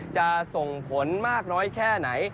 จะส่งผลมากน้อยแค่ไหน